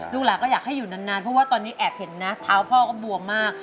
หลานก็อยากให้อยู่นานเพราะว่าตอนนี้แอบเห็นนะเท้าพ่อก็บวมมาก